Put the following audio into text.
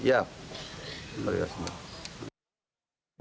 ya ada saksi